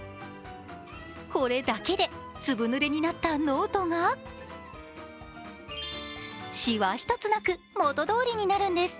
これだけでずぶぬれになったノートがシワ一つなく、元どおりになるんです。